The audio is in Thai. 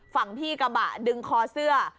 ฝั่งพี่กระบะดึงคอเสื้อ